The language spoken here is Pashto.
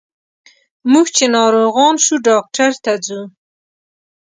موږ چې ناروغان شو ډاکټر ته ځو.